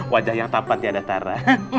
wajah yang tampan tiada tarah